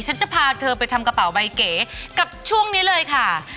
จะพาเธอไปทำกระเป๋าใบเก๋กับช่วงนี้เลยค่ะ